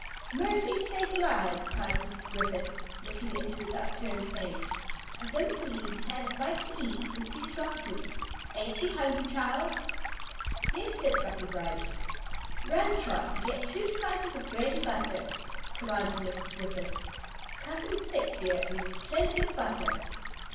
"Mercy sakes alive!" cried Mrs. Griffith, looking into his upturned face; "I don't believe he's had a bite to eat since he started. Ain't you hungry, child?" "Yes," said Button Bright. "Run, Trot, an' get two slices o' bread an' butter," commanded Mrs. Griffith. "Cut 'em thick, dear, an' use plenty of butter."